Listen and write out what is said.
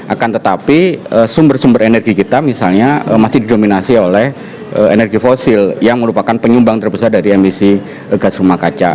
akan tetapi sumber sumber energi kita misalnya masih didominasi oleh energi fosil yang merupakan penyumbang terbesar dari emisi gas rumah kaca